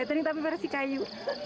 titanic tapi versi kayu